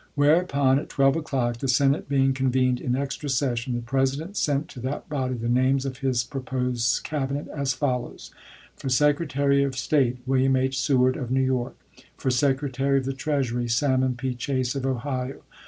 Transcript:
Whereupon, at 12 o'clock, the Senate being con Mar. 5, 1861. vened in extra session, the President sent to that bod}7 the names of his proposed Cabinet, as follows : For Secretary of State, William H. Seward, of New York. For Secretary of the Treasury, Salmon P. Chase, of Ohio.